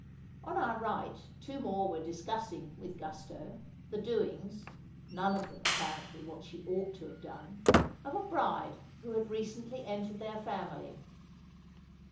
On our right two more were discussing, with gusto, the doings (none of them, apparently, what she ought to have done) of a bride who had recently entered their family.